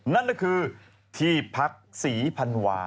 นั่นก็คือที่พักศรีพันวา